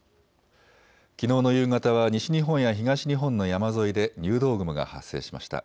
きのうの夕方は西日本や東日本の山沿いで入道雲が発生しました。